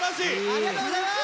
ありがとうございます！